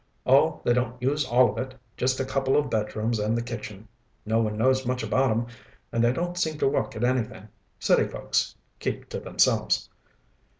"Oh, they don't use all of it. Just a couple of bedrooms and the kitchen. No one knows much about 'em and they don't seem to work at anything. City folks. Keep to themselves."